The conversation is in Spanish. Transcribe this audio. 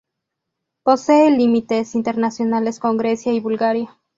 Posee límites internacionales con Grecia y Bulgaria.